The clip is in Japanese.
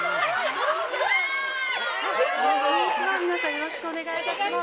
よろしくお願いします。